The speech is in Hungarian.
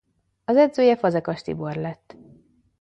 Az edzője Fazekas Tibor lett.